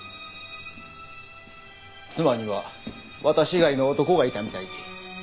妻には私以外の男がいたみたいで。